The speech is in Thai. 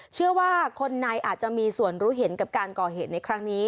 เชื่อว่าคนในอาจจะมีส่วนรู้เห็นกับการก่อเหตุในครั้งนี้